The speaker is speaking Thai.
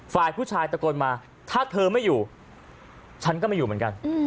ฝ่ายผู้ชายตะโกนมาถ้าเธอไม่อยู่ฉันก็ไม่อยู่เหมือนกัน